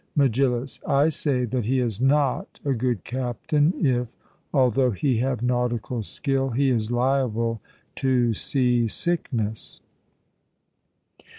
MEGILLUS: I say that he is not a good captain if, although he have nautical skill, he is liable to sea sickness.